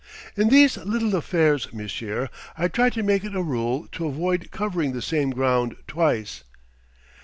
"In these little affairs, monsieur, I try to make it a rule to avoid covering the same ground twice."